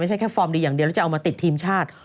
แค่ฟอร์มดีอย่างเดียวแล้วจะเอามาติดทีมชาติ